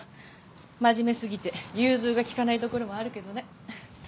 真面目すぎて融通が利かないところもあるけどね。